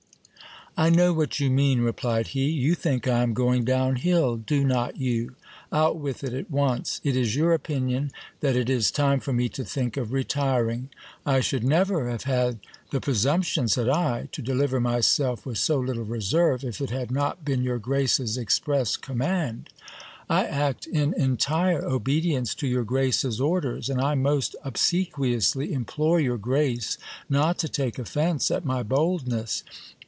I know what you mean, replied he. You think I am going down hill, do not you ? Out with it at once. It is your opinion that it is time for me to think of retiring ? I should never have had the presumption, said I, to deliver myself with so little reserve, if it had not been your grace's express command. I act in entire obedience to your grace's orders ; and I most obsequiously implore your grace not to take offence at my boldness.